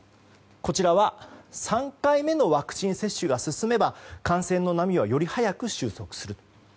こちらは３回目のワクチン接種が進めば感染の波はより早く収束する。